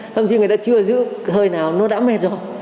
thậm chí người ta chưa giữ hơi nào nó đã mệt rồi